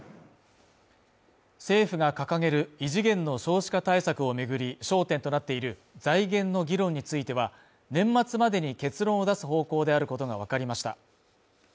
政府が掲げる異次元の少子化対策を巡り、焦点となっている財源の議論については、年末までに結論を出す方向であることがわかりました。